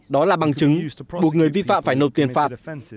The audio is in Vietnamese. đó là bằng chứng buộc người vi phạm phải nộp tiền phạt